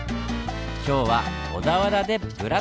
今日は小田原で「ブラタモリ」！